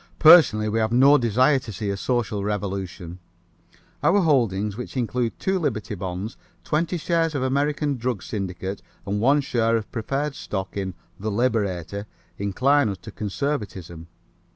Personally, we have no desire to see a social revolution. Our holdings, which include two Liberty bonds, twenty shares of American Drug Syndicate and one share of preferred stock in The Liberator, incline us to conservatism.